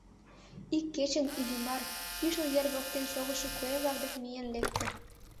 Ик кечын Иллимар Кӱшыл ер воктен шогышо куэ-влак дек миен лекте.